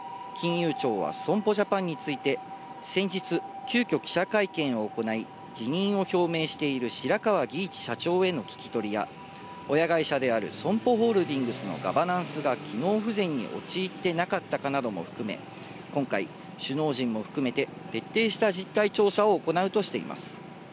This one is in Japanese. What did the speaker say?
また、金融庁は損保ジャパンについて、先日、急きょ記者会見を行い、辞任を表明している白川儀一社長への聞き取りや、親会社であるＳＯＭＰＯホールディングスのガバナンスが機能不全に陥ってなかったかなども含め、今回、首脳陣も含めて、徹底した実態調査を行うとしています。